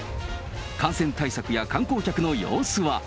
感染対策や観光客の様子は。